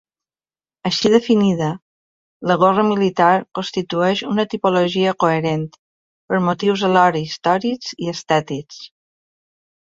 Així definida, la gorra militar constitueix una tipologia coherent, per motius alhora històrics i estètics.